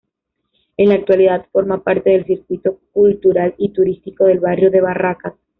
En la actualidad forma parte del circuito cultural y turístico del barrio de Barracas.